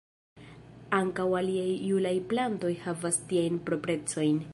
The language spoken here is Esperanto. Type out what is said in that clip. Ankaŭ aliaj julaj plantoj havas tiajn proprecojn.